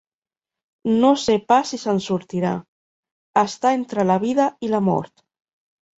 No sé pas si se'n sortirà: està entre la vida i la mort.